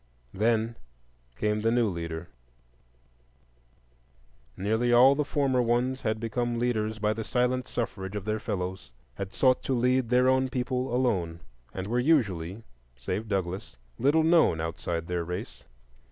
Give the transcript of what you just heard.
Then came the new leader. Nearly all the former ones had become leaders by the silent suffrage of their fellows, had sought to lead their own people alone, and were usually, save Douglass, little known outside their race.